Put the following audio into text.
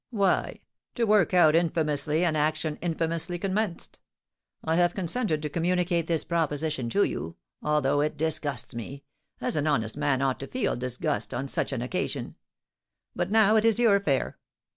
"Why, to work out infamously an action infamously commenced. I have consented to communicate this proposition to you, although it disgusts me, as an honest man ought to feel disgust on such an occasion; but now it is your affair.